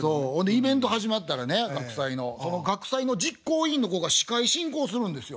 イベント始まったらね学祭のその学祭の実行委員の子が司会進行するんですよ。